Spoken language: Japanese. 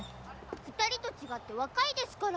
２人と違って若いですから！